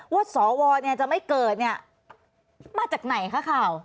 ว่าสวรรคมจะไม่เกิดพวกคุณมาจากไหนคะ